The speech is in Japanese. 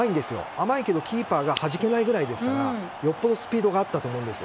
甘いけど、キーパーがはじけないぐらいですからよほどスピードがあったと思います。